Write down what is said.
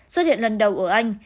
xuất hiện lần đầu ở anh